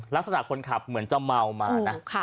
ลักษณะคนขับเหมือนจะเมามานะ